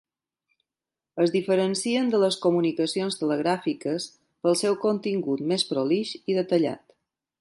Es diferencien de les comunicacions telegràfiques pel seu contingut més prolix i detallat.